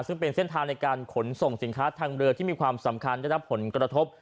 ซึ่งเป็นเส้นทางในการขนส่งสินค้าทางเรือที่มีความสำคัญได้รับผลกระทบ